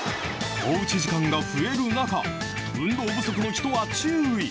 おうち時間が増える中、運動不足の人は注意。